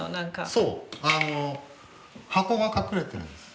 そう箱が隠れてるんです。